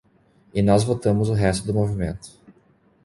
E nós votamos o resto do movimento.